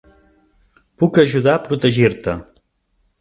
Puc ajudar a protegir-te.